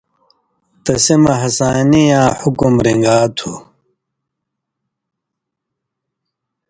تسی مہ ہسانی یاں حُکمہ رِن٘گا تھُو۔